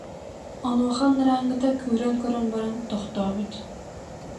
Онуоха анарааҥҥыта кыыран көрөн баран, тохтообут